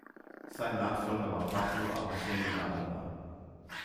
Sein Nachfolger wurde Pablo Arosemena Alba.